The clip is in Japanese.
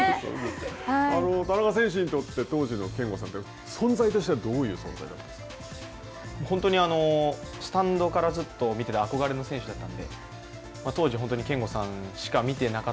田中選手にとって当時の憲剛さんって存在としてはどういう存在だった本当にスタンドからずっと見てた憧れの選手だったんで当時本当に憲剛さんしか見てなか